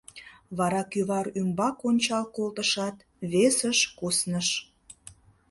Вара кӱвар ӱмбак ончал колтышат, весыш кусныш.